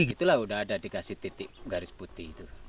itulah udah ada dikasih titik garis putih itu